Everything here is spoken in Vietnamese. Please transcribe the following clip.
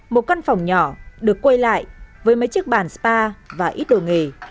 một căn phòng nhỏ được quay lại với mấy chiếc bàn spa và ít đồ nghề